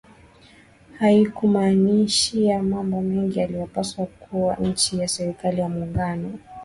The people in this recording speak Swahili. Haikuhamishia mambo mengi yaliyopaswa kuwa chini ya Serikali ya Muungano